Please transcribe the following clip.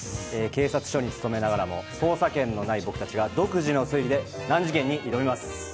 警察署に勤めながらも捜査権のない僕たちが独自の推理で難事件に挑みます。